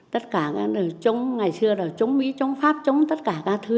tất cả cái này trong ngày xưa là chống mỹ chống pháp chống tất cả các thứ